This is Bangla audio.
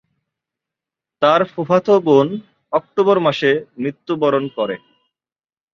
তার ফুফাতো বোন অক্টোবর মাসে মৃত্যুবরণ করে।